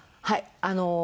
はい。